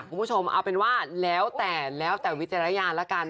คุณผู้ชมเอาเป็นว่าแล้วแต่วิจารณญาณละกัน